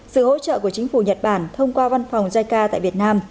sự hỗ trợ của chính phủ nhật bản thông qua văn phòng jica tại việt nam